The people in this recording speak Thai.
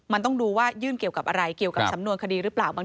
มันต้องดูว่ายื่นเกี่ยวกับอะไรเกี่ยวกับสำนวนคดีหรือเปล่า